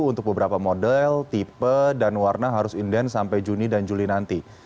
untuk beberapa model tipe dan warna harus inden sampai juni dan juli nanti